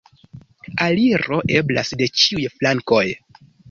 Aliro eblas de ĉiuj flankoj.